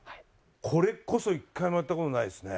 これこそ一回もやった事ないですね。